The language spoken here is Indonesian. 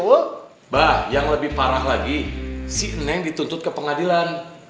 mbah yang lebih parah lagi si neng dituntut ke pengadilan